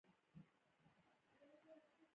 په افغانستان کې د بدخشان منابع شته.